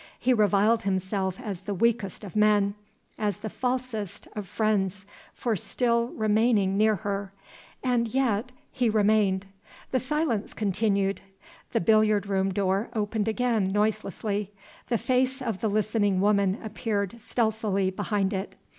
He reviled himself as the weakest of men, as the falsest of friends, for still remaining near her and yet he remained. The silence continued. The billiard room door opened again noiselessly. The face of the listening woman appeared stealthily behind it.